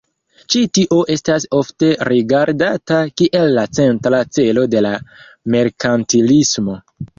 Ĉi tio estas ofte rigardata kiel la centra celo de la merkantilismo.